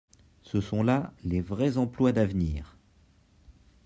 Ce sont là les vrais emplois d’avenir